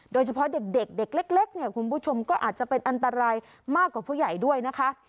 โดยเฉพาะเด็กเด็กเล็กเนี่ยคุณผู้ชมก็อาจจะเป็นอันตรายมากกว่าผู้ใหญ่ด้วยนะคะ